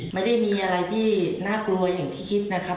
ไม่ได้มีอะไรที่น่ากลัวอย่างที่คิดนะครับ